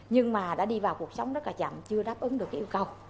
nhưng mà đã đi vào cuộc sống rất là chậm chưa đáp ứng được cái yêu cầu